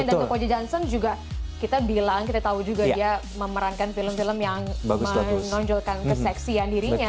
dan dakota johnson juga kita bilang kita tahu juga dia memerankan film film yang menonjolkan keseksian dirinya